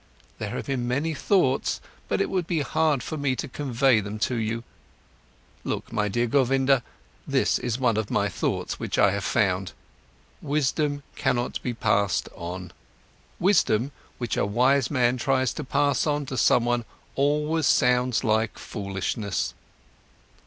There have been many thoughts, but it would be hard for me to convey them to you. Look, my dear Govinda, this is one of my thoughts, which I have found: wisdom cannot be passed on. Wisdom which a wise man tries to pass on to someone always sounds like foolishness."